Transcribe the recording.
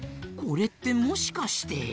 これってもしかして。